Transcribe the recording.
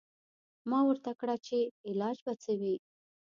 ما ورته کړه چې علاج به څه وي.